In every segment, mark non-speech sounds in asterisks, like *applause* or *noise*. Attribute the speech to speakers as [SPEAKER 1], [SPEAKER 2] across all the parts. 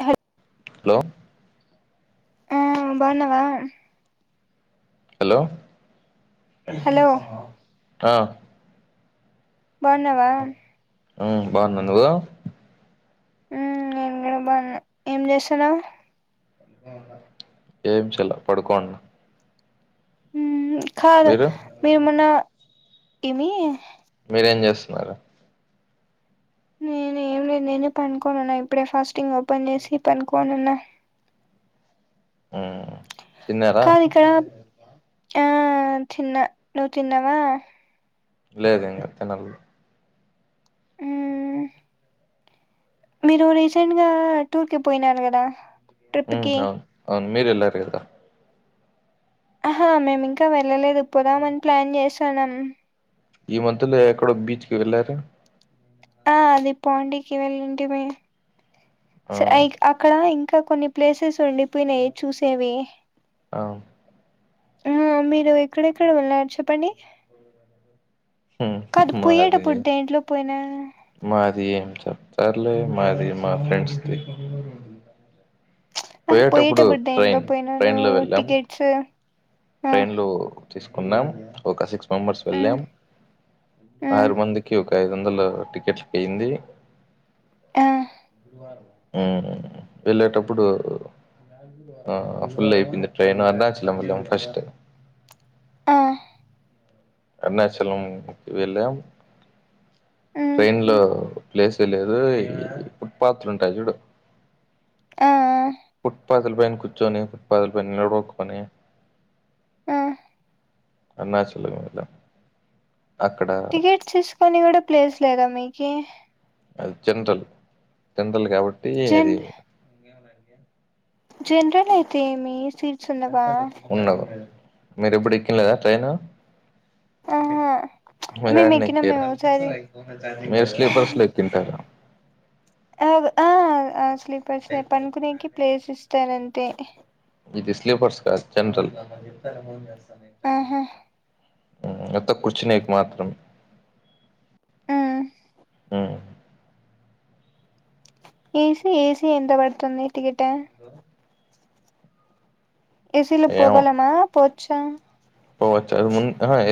[SPEAKER 1] అహట్
[SPEAKER 2] hello
[SPEAKER 1] ఆ బాగున్నావా
[SPEAKER 2] hello
[SPEAKER 1] hello
[SPEAKER 2] అ ఆ
[SPEAKER 1] బాగున్నావా
[SPEAKER 2] ఆ బాగున్నా నువ్వు
[SPEAKER 1] ఉమ్ నేను కూడా బాగున్నా ఏం చేస్తున్నావ్
[SPEAKER 2] ఏం చేయలే పడుకోండి
[SPEAKER 1] మ్మ్ కాదు మీరు మొన్న ఏమి
[SPEAKER 2] మీరేం చేస్తున్నారు
[SPEAKER 1] నేను ఏం లేదు నేను పనుకోనున్నా ఇప్పుడే ఫాస్టింగ్ ఓపెన్ చేసి పనుకోనున్నా
[SPEAKER 2] ఉమ్... తిన్నారా
[SPEAKER 1] కాదు ఇక్కడ ఆ.... తిన్నా నువ్వు తిన్నావా
[SPEAKER 2] లేదు ఇంగా తినాలి.
[SPEAKER 1] ఉమ్ మీరు రీసెంట్ గా టూర్ కి పోయినారు కదా. ట్రిప్
[SPEAKER 2] ఉమ్
[SPEAKER 1] కి
[SPEAKER 2] అవును, అవును. మీరు ఎల్లారు కదా.
[SPEAKER 1] ఆహా మేము ఇంకా వెళ్ళలేదు. పొదామని ప్లాన్ చేస్ తనం
[SPEAKER 2] ఈ మధ్యలో ఎక్కడో బీచ్కి వెళ్ళారే.
[SPEAKER 1] ఆ అది పాండీకి వెళ్ళుంటి మీ.
[SPEAKER 2] ఆ
[SPEAKER 1] స అయిక్ అక్కడ ఇంక్ ఇంకా కొన్ని ప్లేసెస్ ఉండి పోయినయ్ చూసేవి.
[SPEAKER 2] అవును
[SPEAKER 1] ఇమ్ మీరు ఎక్కడెక్కడ వెళ్ళారు చెప్పండి.
[SPEAKER 2] ఉమ్
[SPEAKER 1] కాదు
[SPEAKER 2] మాది
[SPEAKER 1] పోయేటప్పుడు దేంట్లో పోయినా
[SPEAKER 2] మాది ఏం చెప్తారులే మాది మా ఫ్రెండ్స్ ది
[SPEAKER 1] ఆహా పోయేటప్పుడు దేంట్లో పోయినారు టికెట్సు
[SPEAKER 2] ట్రైన్లో తీసుకున్నాం ఒక సిక్స్ హోమర్స్
[SPEAKER 1] హ్మ్
[SPEAKER 2] వెళ్ళాం
[SPEAKER 1] హ్మ్
[SPEAKER 2] ఆరు మంది క్యూ ఒక ఐదు వందల టిక్కెట్లకు అయింది.
[SPEAKER 1] ఆ
[SPEAKER 2] గురువారం హ్ వెళ్ళేటప్పుడు ఆహ్ ఫుల్ అయిపోయింది ట్రైన్ అరుణాచలం వెళ్ళాం ఫ స్ట్
[SPEAKER 1] ఆ
[SPEAKER 2] అరుణాచలం వెళ్ళాం.
[SPEAKER 1] హ్మ్
[SPEAKER 2] ట్రైన్ లో ప్లేసే లేదు ఇ ఫుట్పాత్లు ఉంటాయి చూడు
[SPEAKER 1] ఆ
[SPEAKER 2] ఫుట్పాత్ ల పైన కూచోని ఫుట్పాతల పైన నిలడువడుకుని
[SPEAKER 1] ఆ
[SPEAKER 2] అరుణాచలం వెళ్ళాం. అక్కడ
[SPEAKER 1] టికెట్స్ తీసుకొని కూడా ప్లేస్ లేదా మీకి
[SPEAKER 2] అల్చెంతలు జనరల్లీ కాబట్టి
[SPEAKER 1] జన్
[SPEAKER 2] అది ఆ
[SPEAKER 1] జనరల్ అయితే మీ తీరు చున్నవా
[SPEAKER 2] ఉండదు మీరు ఎప్పుడు ఎక్కిలేదా ట్రైనా
[SPEAKER 1] ఆహా మేము ఎక్కినా ఆ
[SPEAKER 2] ఎక్కిరు
[SPEAKER 1] మేము సారి
[SPEAKER 2] మీరు స్లీపర్స్ లో ఎక్కింటారు
[SPEAKER 1] స్లీపర్స్ పనుకునేకి ప్లేస్ ఇస్తానంతే అంతే
[SPEAKER 2] ఇది స్లీపర్స్ కాదు జనరల్ అవునా
[SPEAKER 1] ఆహా
[SPEAKER 2] అయితే కుచినేక్ మాత్రమే
[SPEAKER 1] హ్మ్
[SPEAKER 2] ఆ
[SPEAKER 1] ఏసీ ఏసీ ఎంత పడుతుంది టిక్కెట్ ఆ ఎసీలో పోగలమా పో చ్చం
[SPEAKER 2] పోవచ్చ అ ము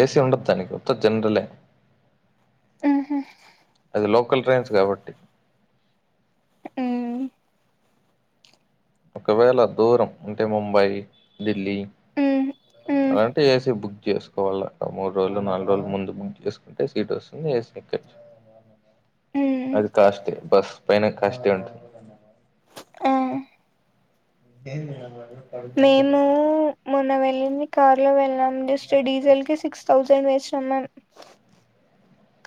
[SPEAKER 2] ఏసి ఉండద్దా తనికి ఉత్త జనరలే
[SPEAKER 1] ఆహా
[SPEAKER 2] లోకల్ ట్రైన్స్ కాబట్టి
[SPEAKER 1] ఉమ్
[SPEAKER 2] ఒకవేళ దూరం అంటే ముంబై ఢిల్లీ
[SPEAKER 1] ఉమ్ ఉమ్
[SPEAKER 2] అలాంటే ఎసి బుక్ చేసుకోవాల మూడు రోజులు నాలుగు రోజులు ముందు బుక్ చేసుకుంటే సీట్ వస్తుంది ఏసీ ఎక్కోచు
[SPEAKER 1] ఉమ్
[SPEAKER 2] అది కాస్తే బస్ పైన కాష్టే ఉంటుంది
[SPEAKER 1] ఆ
[SPEAKER 2] ఎందిరా మాము వాడు
[SPEAKER 1] మేము మొన్న వెళ్ళింది కార్ లో వెళ్ళం జస్ట్ డీజిల్ కి సిక్స్ థౌజండ్ వేస్ట్ సమయం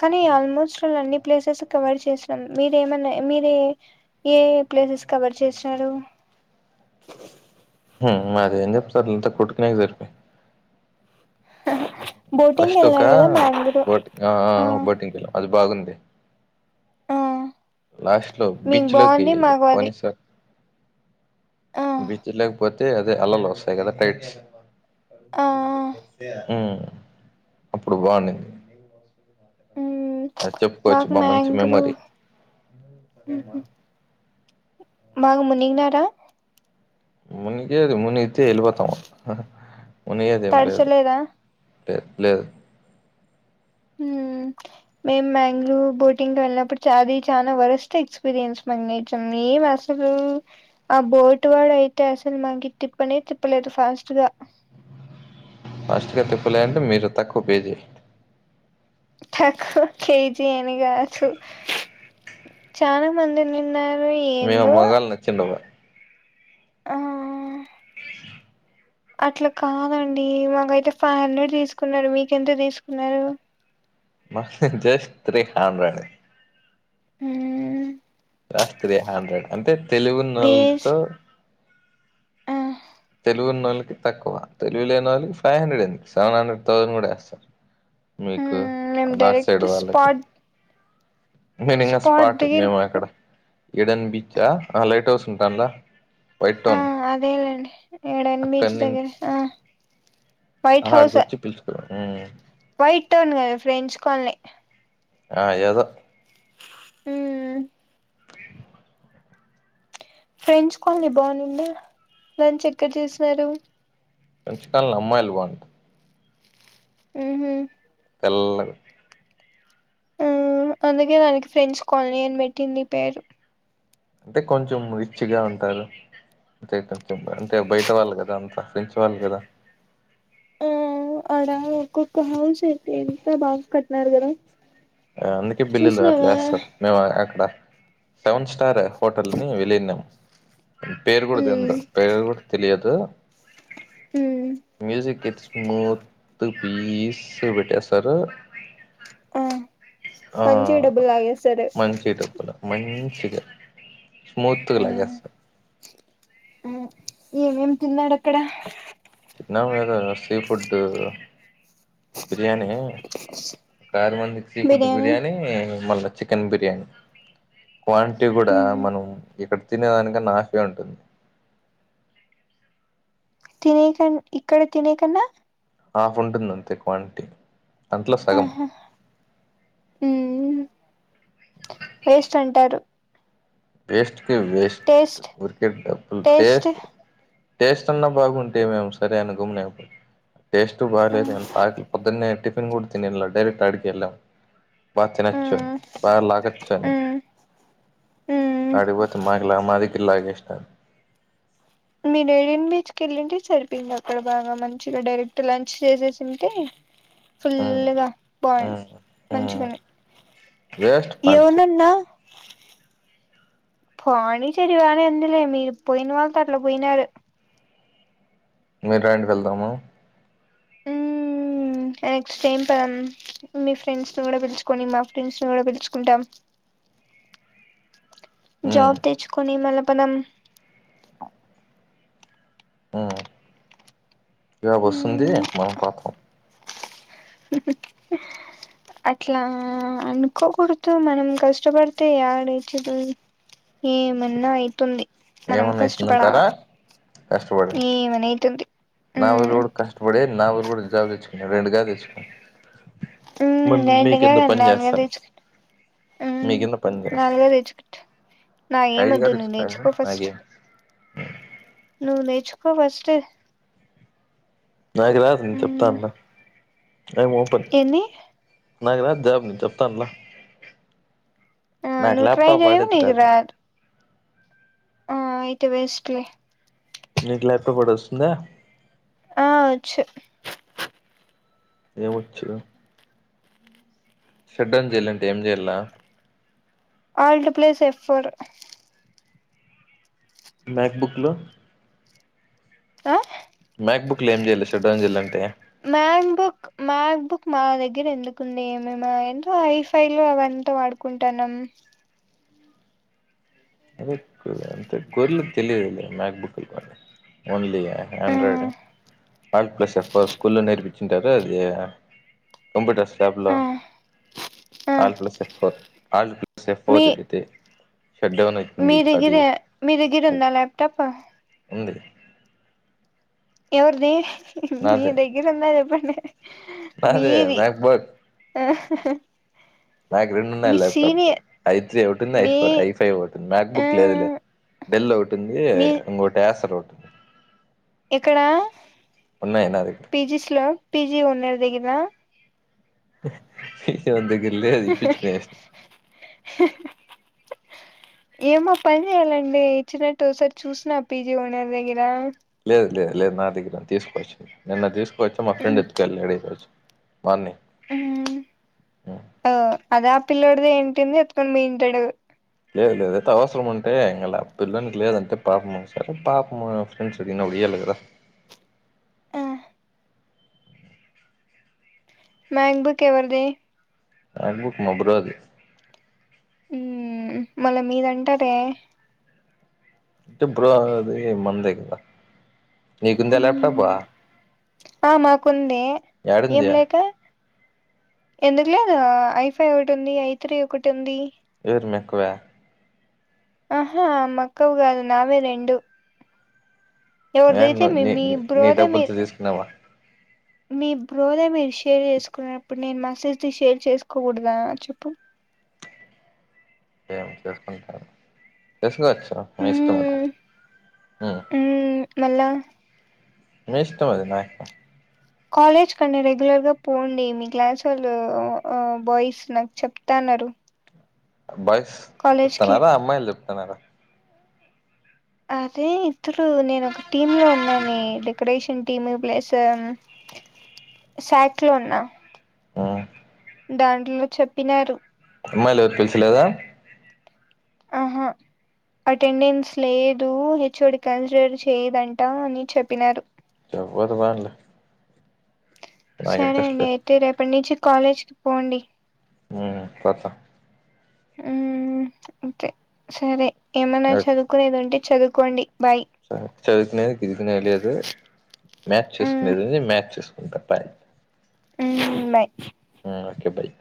[SPEAKER 1] కానీ ఆల్మోస్ట్ వాళ్ు అన్ని ప్లేసెస్ కవర్ చేసినాం మీరేమన్నా మీరే ఏ ప్లేసెస్ కవర్ చేసినారు
[SPEAKER 2] అదేం చెప్ సారుంతా కొట్టుకునేక సరిపో
[SPEAKER 1] బోటింగ్
[SPEAKER 2] ఫస్ట్ ఒక
[SPEAKER 1] వెళ్ళారు కదా
[SPEAKER 2] ఒక
[SPEAKER 1] మ్యాంగ్రూ
[SPEAKER 2] బోటింగ్ఆ ఆ బోటింగ్ ఎల్లం బాగుంది
[SPEAKER 1] ఆ
[SPEAKER 2] లాస్ట్లోకి
[SPEAKER 1] మీకు
[SPEAKER 2] బీచ్ లోకి
[SPEAKER 1] బాగుంది మాకు అది
[SPEAKER 2] పోనిస్తారా
[SPEAKER 1] ఆ
[SPEAKER 2] బీచ్ లేకపోతే అదే అల్లలు వస్తాయి కదా టైడ్స్
[SPEAKER 1] ఆ ఆ.
[SPEAKER 2] ఉ అప్పుడు బాగుంది
[SPEAKER 1] ఉమ్
[SPEAKER 2] ఆ చెప్పుకోవచ్చు
[SPEAKER 1] మాకు
[SPEAKER 2] బా మంచి
[SPEAKER 1] మ్యాంగ్రూ
[SPEAKER 2] మెమొరీ
[SPEAKER 1] బాగ మునిగినారా
[SPEAKER 2] మునిగేది మునిగితే వేలిపోతాం హహ. మునిగేది ఏం లేదు.
[SPEAKER 1] తడచలేదా
[SPEAKER 2] ఏం లేదు.
[SPEAKER 1] ఉమ్ మేము బెంగళూర్ బోటింగ్కి వెళ్ళినప్పుడు అది చాలా వరస్ట్ ఎక్స్పీరియన్స్ మాకు నేచర్ ఏం అసలు ఆ బోట్ వాడు అయితే అసలు మాకు తిప్పనే తిప్పలేదు ఫాస్ట్ గా.
[SPEAKER 2] ఫస్ట్గా తిప్పలే అంటే మీరు తక్కువ పే చేసిండ్రు.
[SPEAKER 1] తక్కువ పే చేడం అని కాదు చాలా మందిని నవ్వి
[SPEAKER 2] మేము
[SPEAKER 1] ఎందో.
[SPEAKER 2] మగాళ్ళు నచ్చిండవా
[SPEAKER 1] ఆహ్ అట్లా కాదండి మాకైతే ఫైవ్ హండ్రెడ్ తీసుకున్నారు. మీకెంత తీసుకున్నారు.
[SPEAKER 2] మ జస్ట్ త్రీ హండ్రెడ్.
[SPEAKER 1] ఉమ్
[SPEAKER 2] లాస్ట్ త్రీ హాండ్రెడ్ అంతే. తెలివినోళ్లతో.
[SPEAKER 1] వేస్ట్ ఆ,
[SPEAKER 2] తెలివి ఉన్నోళ్లకి తక్కువ తెలివి లేని వాళ్ళకి ఫైవ్ హండ్రెడ్ ఎంది సెవెన్ హండ్రెడ్ థౌజండ్ కూడా వేస్తారు. మీకు
[SPEAKER 1] మ్మ్. మేము
[SPEAKER 2] అన్నారు సైడ్
[SPEAKER 1] డైరెక్ట్
[SPEAKER 2] వాళ్లకి.
[SPEAKER 1] స్పాట్
[SPEAKER 2] నేనింకా స్పాట్ మేము అక్కడ. ఏడన్ బీచా ఆహ్ లైట్ హౌస్ ఉందా దాంట్లా.
[SPEAKER 1] ఆహ్ అదే లేండి. ఏడన్ బీచ్ దగ్గర ఆహ్.
[SPEAKER 2] ఆహ ఆడికొచ్చి పిలుచుకురా. ఉమ్
[SPEAKER 1] పెట్ట్ టోన్ నే కదా ఫ్రెండ్స్ కాలనే.
[SPEAKER 2] ఆహ్ ఏదో.
[SPEAKER 1] ఉమ్ ఫ్రెంచ్ కాలనీ బావునుండే లంచ్ ఎక్కడ చేసినారు.
[SPEAKER 2] ఫ్రెంచ్ కాలనీ అమ్మాయిలు వాడుతారు.
[SPEAKER 1] ఉమ్మ్
[SPEAKER 2] తెల్లగుంది.
[SPEAKER 1] ఉమ్ అందుకే దానికి ఫ్రేంచ్ కాలనీ అని పెట్టింది పేరు.
[SPEAKER 2] అంటే కొంచెం రిచ్ గా ఉంటారు అంటే కొంచెం అంటే బయట వాళ్ళు కదా అంతా ఫ్రెంచ్ వాళ్ళు కదా.
[SPEAKER 1] ఆహ్ ఆడ ఒక్కొక్క హౌస్ ఎంత బాగా కట్టినారు కదా.
[SPEAKER 2] అందుకే బిల్లులు అట్లా
[SPEAKER 1] చూసినావా
[SPEAKER 2] వేస్తారు. మేము అక్కడ సెవెన్ స్టార్ హోటల్ ని వెళ్ళినం. పేరు కూడా తెందు
[SPEAKER 1] మ్మ్
[SPEAKER 2] పేరు కూడా తెలియదు.
[SPEAKER 1] మ్మ్
[SPEAKER 2] మ్యూజిక్ కిడ్స్. స్మూత్ పీస్ పెట్టేస్తారు.
[SPEAKER 1] ఉమ్
[SPEAKER 2] ఆ
[SPEAKER 1] మంచిగ డబ్బుల్ లాగేస్తారు.
[SPEAKER 2] She good. స్మూత్ లాగేస్త
[SPEAKER 1] ఉమ్ ఏమేం తిన్నాడు అక్కడ
[SPEAKER 2] నాకు తెలియదా సీ ఫుడ్ బిర్యానీ కారు మల్ల సి ఫుడ్ బిర్యానీ మల్ల చికెన్ బిర్యానీ క్వాంటిటీ కూడా
[SPEAKER 1] మ్మ్
[SPEAKER 2] మనం ఇక్కడ తినే దానికన్నా అట్లనే ఉంటది
[SPEAKER 1] తినకం ఇక్కడ తినేకన్నా
[SPEAKER 2] ఆఫ్ ఉంటుంది అంతే క్వాంటిటీ అట్లా సగం
[SPEAKER 1] ఆహా మ్మ్ వేస్ట్ అంటారు
[SPEAKER 2] వేస్ట్ వేస్ట్
[SPEAKER 1] టేస్ట్
[SPEAKER 2] ఊరికే డబ్బులు టేస్ట్ టేస్ట్ అన్నా బాగుంటే మేము సరే అని గమ్నపో టేస్ట్ బాలేదు
[SPEAKER 1] మ్మ్
[SPEAKER 2] ఎంతా పొదున్నటి టిఫిన్ కూడా తినలే డైరెక్ట్ ఆడికెళ్లాం దార్ల తినొచ్చు
[SPEAKER 1] మ్మ్
[SPEAKER 2] బాగా ఆకలిగా ఉంది
[SPEAKER 1] మ్మ్ మ్మ్
[SPEAKER 2] అడిపోత్ మాగలా మాది ఇల్లా గెస్ట్
[SPEAKER 1] మీ నేడిన్ బీచ్కి వెళ్ళి సరిపోంది అక్కడ బాగా మంచిగా డైరెక్ట్ లంచ్ చేసేసింటే
[SPEAKER 2] ఉమ్
[SPEAKER 1] ఫుల్గా బాగుడి
[SPEAKER 2] ఉమ్ ఉమ్
[SPEAKER 1] మంచిగానే
[SPEAKER 2] వేస్ట్ పాండిచ్చేరి
[SPEAKER 1] ఏమనన్నాదా పానీ చదివానే ఎందులే మీరు పోయిన వాళ్ళతో అట్లా పోయినారు
[SPEAKER 2] న్యూటైండ్ వెళ్దామా
[SPEAKER 1] ఉమ్ క్స్ టేమ్ మీ ఫ్రెండ్స్ ను కూడా పిలుచుకొని మా ఫ్రెండ్స్ ని కూడా పిలుచుకుంటాం
[SPEAKER 2] ఉమ్
[SPEAKER 1] జాబ్ తెచ్చ కొని మనం పనం
[SPEAKER 2] ఆ ఇలా వస్తుంది
[SPEAKER 1] మ్మ్
[SPEAKER 2] మనం పాతం
[SPEAKER 1] అట్లా అనుకోకూడదు మనం కష్టపడితే ఏడే చదు ఏమన్నా అవుతుంది
[SPEAKER 2] ఏమన్నాయితుంద అంటారా కష్టపడి
[SPEAKER 1] ఏమన్న అయితుంది
[SPEAKER 2] నావ
[SPEAKER 1] ఉమ్
[SPEAKER 2] కూడా కష్టపడి నావ కూడా జబ్ తెచ్చు రెండు కా తెచ్చ
[SPEAKER 1] రండుగా నాలుగ తెచ్చుకు
[SPEAKER 2] మీ కింద పని చేస్తా
[SPEAKER 1] నాలుగ తెచ్చుకుంట నాకేమ వద్దు నేను తెేచ్చుకో
[SPEAKER 2] అే
[SPEAKER 1] నేచుకో ఫస్ట్
[SPEAKER 2] నాకు రాదు నేను చెప్తా
[SPEAKER 1] ఉమ్
[SPEAKER 2] అన్న ఐమ్ ఓపన్
[SPEAKER 1] ఏంది
[SPEAKER 2] నాకు రాద్ జాబ్ చెప్తాన్లా
[SPEAKER 1] ఆ ను ట్రై జేయావ్ నీక్ రాద్ ఆ అయితే వేస్ట్లే
[SPEAKER 2] నీకు లేక్క పడి వస్తుందా
[SPEAKER 1] ఆ అచ్చు
[SPEAKER 2] ఏం వచ్చు షడ్డౌన్ చెయ్యాలంటే ఏం చెయ్యలా
[SPEAKER 1] ఆల్ట్ ప్లస్ ఎఫ్ ఫోర్
[SPEAKER 2] మ్యాక్బుక్లో
[SPEAKER 1] ఆ
[SPEAKER 2] మ్యాక్ బుక్లో ఏం చెయాలె షట్ డౌన్ చేయాలంటే
[SPEAKER 1] మ్యాక్ బుక్ మ్యాక్ బుక్ మా దగ్గర ఎందుకుంది ఏమేమా ఎందు హైఫై లో అవంతా వాడుకుంటానమ్
[SPEAKER 2] అద అంత గొర్లక్ తెలియదు మ్యాక్ బుక్ ఓన్లీ
[SPEAKER 1] ఆ
[SPEAKER 2] ఆండ్రయిడా ఆల్ట్ ప్లస్ ఎఫ్ ఫోర్ స్కూల్లో నేర్పించింటారు అది కంప్యూటర్స్ ల్యాబ్లో
[SPEAKER 1] ఆ ఆ
[SPEAKER 2] ఆల్ట్ ప్లస్ ఎఫ్ ఫోర్
[SPEAKER 1] మీ
[SPEAKER 2] *unintelligible* షట్డౌన్
[SPEAKER 1] మీ దగ్గిరా మీ దగ్గిరా ఉందా లాప్టాప్
[SPEAKER 2] ఉంది
[SPEAKER 1] ఎవరిది మీ
[SPEAKER 2] నాదే
[SPEAKER 1] దగ్గర ఉందా చెప్పం
[SPEAKER 2] నాదే మ్యాక్బగ్
[SPEAKER 1] ఆ
[SPEAKER 2] నాకు రెండున్నాయి.
[SPEAKER 1] మీ
[SPEAKER 2] ల్యాప్టాప్లు
[SPEAKER 1] సీనియర్
[SPEAKER 2] ఐ త్రీ ఒకటింది ఐ
[SPEAKER 1] మీ
[SPEAKER 2] ఐ ఫైవ్ ఒకటుంది. మ్యాక్
[SPEAKER 1] ఆ
[SPEAKER 2] బుక్ లేదు లే డెల్ ఒకటుంది ఇంకోట్ హసర్
[SPEAKER 1] ఇక్కడ
[SPEAKER 2] ఉన్నాయి నా దగ్గర
[SPEAKER 1] పీజీస్లో పిజీ ఉన్న దగనా
[SPEAKER 2] *unintelligible*
[SPEAKER 1] ఏమో పన్జేయాలండి ఇచ్చినట్టు ఒకసారి చూసిన పీజీ ఓనర్ దగ్గరా
[SPEAKER 2] లేదు లేదు లేదు నా దగ్గర తీసుకోవచ్చు నిన్న తీస్ వచ్చా మా ఫ్రెడ్ ఎత్తుకెల్లాడు ఈరోజు బన్ని
[SPEAKER 1] మ్మ్ ఆ అదే ఆ పిల్లోడిది ఏంటింది ఎత్తుకొని పోయి ఉంటాడు
[SPEAKER 2] లేదు లేదు అయితే అవసరం ఉంటే అలా పిల్లోనికి లేదంటే పాపమ్ సార పాపమ్మ ఫ్రెండ్స్ అడిగినప్పుడు ఈయలే కదా
[SPEAKER 1] ఆ మ్యాంగ్బుక్ ఎవరిది
[SPEAKER 2] మాక్బుక్ మా బ్రదర్ది
[SPEAKER 1] మ్మ్ మళ్ళా మీదంటాదే
[SPEAKER 2] ఇంటప్పుడు అది మందేకదా
[SPEAKER 1] ఆ మాకుంది ఏం
[SPEAKER 2] యాడుంది
[SPEAKER 1] లేక ఎందుకు లేదు ఐ ఫైవ్ ఒకటి ఉంది ఐ త్రీ ఒకటి ఉంది
[SPEAKER 2] ఎవరి మీక్కవా
[SPEAKER 1] ఆహా మా అక్క వి గాదు నావే రెండు ఎవరిదైతే
[SPEAKER 2] యాడున్నారు
[SPEAKER 1] మీ
[SPEAKER 2] నీ
[SPEAKER 1] మీ
[SPEAKER 2] నీ
[SPEAKER 1] బ్రోదే మీ
[SPEAKER 2] డబ్బులతో తీసుకున్నామా
[SPEAKER 1] మీ బ్రో దే మీరు షేర్ చేసుకున్నప్పుడు నేను మా సిస్టర్ ది షేర్ చేసుకోకూడదా చెప్పు
[SPEAKER 2] ఏం చేసుకుంటారు చెస్ నా ఇష్టం, మీ ఇష్టం
[SPEAKER 1] మ్మ్
[SPEAKER 2] ఆ
[SPEAKER 1] మ్మ్ మళ్ళా
[SPEAKER 2] మీ ఇష్టమది నాకేం
[SPEAKER 1] కాలేజ్ కన్నా రెగ్యులర్ గా పోండి మీ క్లాసొళ్ళు బాయ్స్ నాకు చెప్తాన్నారు
[SPEAKER 2] బాయ్ స్స్
[SPEAKER 1] కాలేజ్ కి
[SPEAKER 2] చెప్తనారా, అమ్మాయిలు చెప్తనారా
[SPEAKER 1] అదే ఇద్దరు నేను ఒక టీమ్ లో ఉన్నాలే డెకరేషన్ టీమ్ ప్లస్ శాక్ లో ఉన్నా
[SPEAKER 2] మ్మ్
[SPEAKER 1] దాంట్లో చెప్పినారు
[SPEAKER 2] అమ్మాయిలు ఎవరు పిల్సలేద
[SPEAKER 1] ఆహా అటెండెన్స్ లేదు. హెచ్ ఒ డి కన్సిడర్ చేయదంటా అని చెప్పినారు
[SPEAKER 2] ఎవ్వరు వాళ్ళు
[SPEAKER 1] సరే అండి అయితే రేపట్నించి కాలేజ్కి పోండి
[SPEAKER 2] మ్మ్ పోత
[SPEAKER 1] మ్మ్మ్మ్ అంతే సరే ఏమన్నా చదువుకునేదుంటే చదువు కోండి
[SPEAKER 2] చదువుకునేది, గిదువుకునేది లేదు మ్యాచ్
[SPEAKER 1] మ్మ్
[SPEAKER 2] చూసుకునేది ఉంది. మ్యాచ్ చూసుకు ఒకే బాయ్
[SPEAKER 1] మ్మ్ బాయ్
[SPEAKER 2] మ్మ్ ఒకే బాయ్